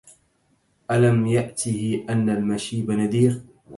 ألم يأته أن المشيب نذير